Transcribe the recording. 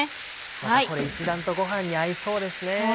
またこれ一段とご飯に合いそうですね。